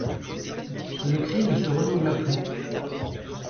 Le cri ne se renouvela plus.